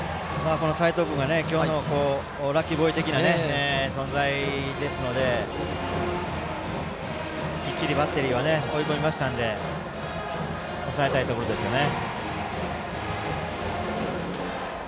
この齋藤君が今日のラッキーボーイ的な存在なのできっちりバッテリーは追い込みましたので抑えたいところですね。